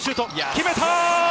決めた！